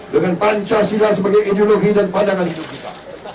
dengan pancasila sebagai ideologi dan pandangan hidup kita